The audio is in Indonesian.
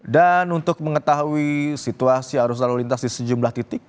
dan untuk mengetahui situasi arus lalu lintas di sejumlah titik